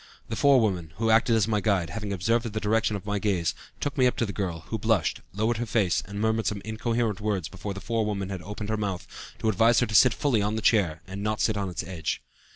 The forewoman, who acted as my guide, having observed the direction of my gaze, took me up to the girl, who blushed, lowered her face, and murmured some incoherent words before the forewoman had opened her mouth, to advise her to sit fully on the chair, and not on its edge.